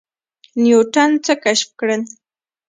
نیوټن څه کشف کړل؟